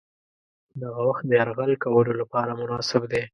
دغه وخت د یرغل کولو لپاره مناسب دی.